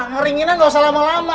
ngeringinan ga usah lama lama